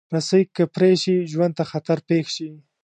رسۍ که پرې شي، ژوند ته خطر پېښ شي.